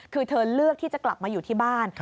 คือเธอเลือกที่จะกลับมาอยู่ที่บ้าน